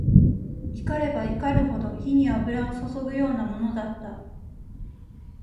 怒れば怒るほど、火に油を注ぐようなものだった。